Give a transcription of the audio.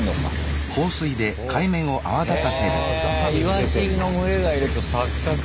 へえイワシの群れがいると錯覚。